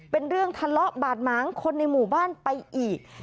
เป็นเรื่องทะเลาะบาดหมางคนในหมู่บ้านไปอีก